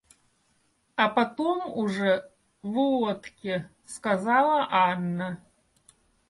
А потом уже в лодке, — сказала Анна.